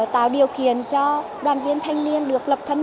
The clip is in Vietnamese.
tạo điều kiện cho đoàn viên thanh niên được lập thân